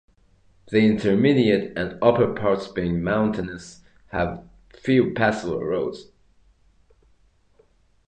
The intermediate and upper parts being mountainous have few passable roads.